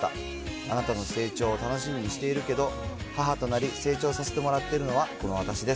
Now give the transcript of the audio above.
あなたの成長を楽しみにしているけど、母となり、成長させてもらっているのはこの私です。